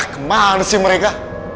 eh kemana sih mereka